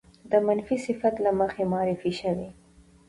د منفي صفت له مخې معرفې شوې